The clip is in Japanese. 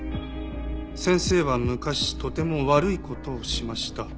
「先生は昔とても悪いことをしました」